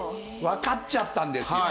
わかっちゃったんですよ。